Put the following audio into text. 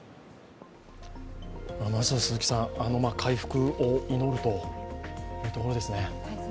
まずは回復を祈るというところですね。